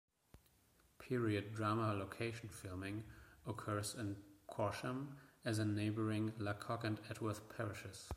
Period drama location filming occurs in Corsham, as in neighbouring Lacock and Atworth parishes.